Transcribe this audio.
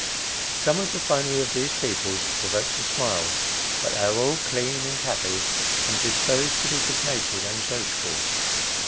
Some of the finery of these people provokes a smile, but they are all clean, and happy, and disposed to be good natured and sociable.